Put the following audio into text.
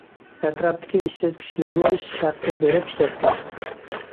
ئەتراپتىكى ئىشسىز كىشىلەرنى ئىش ھەققى بېرىپ ئىشلەتتى.